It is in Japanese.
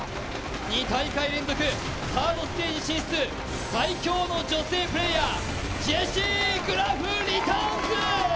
２大会連続、サードステージ進出最強の女性プレーヤージェシー・グラフ・リターンズ。